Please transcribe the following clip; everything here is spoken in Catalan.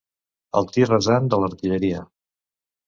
El tir rasant de l'artilleria.